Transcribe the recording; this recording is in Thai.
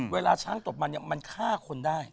เวลาช้างตกมันเนี่ยมันฆ่าคนได้